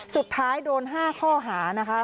สุดท้ายโดน๕ข้อหานะคะ